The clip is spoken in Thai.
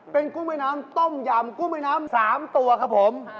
เป็นกุ้งแม่น้ำต้มยำกุ้งแม่น้ำ๓ตัวครับผม